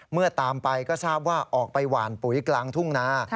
เมื่อตามไปก็ทราบว่าออกไปหวานปุ๋ยกลางทุ่งนา